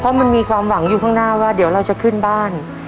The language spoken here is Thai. เพราะมันมีความหวังอยู่ข้างหน้าว่าเดี๋ยวเราจะขึ้นบ้าน